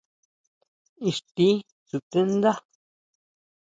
¿Ixtí xú sutendá?